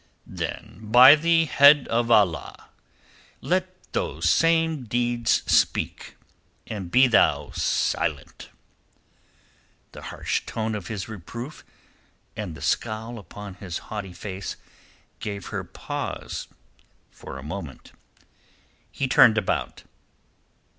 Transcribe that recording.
"Then, by the head of Allah, let those same deeds speak, and be thou silent." The harsh tone of his reproof and the scowl upon his haughty face, gave her pause for a moment. He turned about.